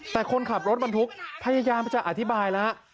แต่คนขับรถบรรทุกพยายามจะอธิบายแล้ว